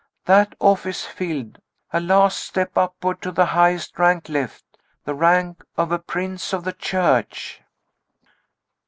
That office filled, a last step upward to the highest rank left, the rank of a Prince of the Church."